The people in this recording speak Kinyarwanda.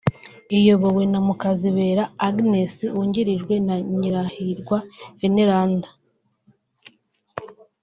iyobowe na Mukazibera Agnes wungirijwe na Nyirahirwa Veneranda